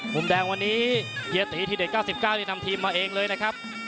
มุมแดงวันนี้เฮียตีทีเด็ด๙๙นี่นำทีมมาเองเลยนะครับ